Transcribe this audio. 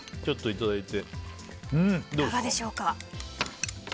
いかがでしょうか？